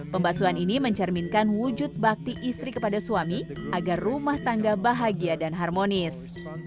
pembasuan ini mencerminkan wujud bakti istri kepada suami agar rumah tangga bahagia dan harmonis